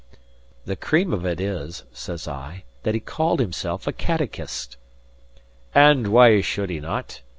"The cream of it is," says I, "that he called himself a catechist." "And why should he not?"